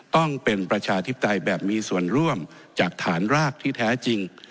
ต้องเป็นประชาธิปไตยแบบมีส่วนร่วมจากฐานรากที่แท้จริง